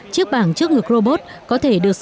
chiếc bảng trước ngực robot có thể gửi đến các người